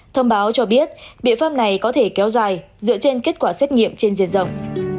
thông báo cho biết biện pháp này có thể kéo dài dựa trên kết quả xét nghiệm trên diện rộng